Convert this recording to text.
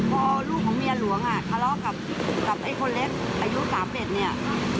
พอลูกของเมียหลวงอ่ะทะเลาะกับไอ้คนเล็กอายุ๓๑เนี่ย